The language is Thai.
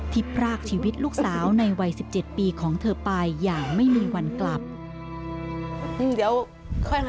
พรากชีวิตลูกสาวในวัย๑๗ปีของเธอไปอย่างไม่มีวันกลับ